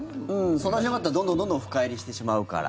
相談しなかったらどんどん深入りしてしまうから。